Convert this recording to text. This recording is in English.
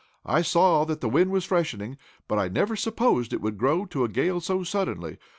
I saw that the wind was freshening, but I never supposed it would grow to a gale so suddenly.